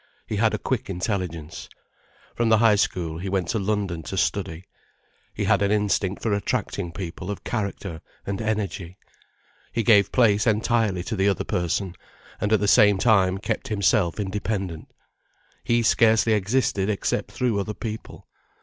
He had a quick intelligence. From the High School he went to London to study. He had an instinct for attracting people of character and energy. He gave place entirely to the other person, and at the same time kept himself independent. He scarcely existed except through other people.